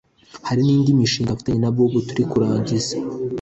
hari n’indi mishinga mfitanye na Bob turi kurangiza